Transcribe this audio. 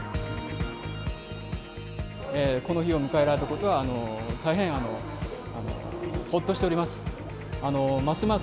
この日を迎えられたことは、大変ほっとしております。